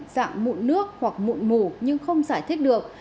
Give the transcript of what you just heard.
dạng mụn nước hoặc mụn mù nhưng không giải thích được